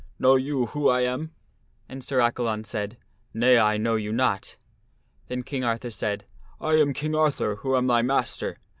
Know you who I am?" And Sir Accalon said, "Nay, I know you not." Then King Arthur said, " I arn King Arthur who am thy master."